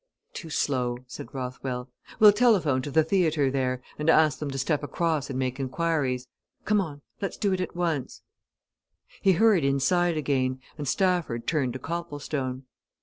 "Too slow," said Rothwell. "We'll telephone to the theatre there, and ask them to step across and make inquiries. Come on! let's do it at once." He hurried inside again, and Stafford turned to Copplestone.